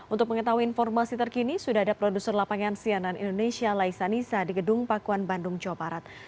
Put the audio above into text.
untuk mengetahui informasi terkini sudah ada produser lapangan sianan indonesia laisa nisa di gedung pakuan bandung jawa barat